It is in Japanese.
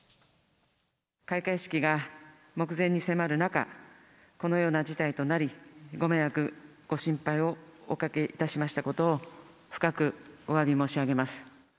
開会式が目前に迫る中、このような事態となり、ご迷惑、ご心配をおかけいたしましたことを、深くおわび申し上げます。